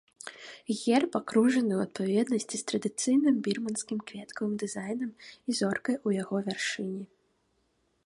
Герб акружаны ў адпаведнасці з традыцыйным бірманскім кветкавым дызайнам і зоркай у яго вяршыні.